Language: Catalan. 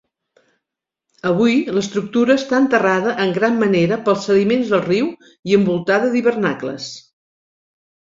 Avui, l'estructura està enterrada en gran manera pels sediments del riu i envoltada d'hivernacles.